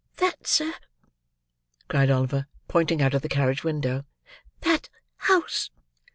"That, sir," cried Oliver, pointing out of the carriage window. "That house!"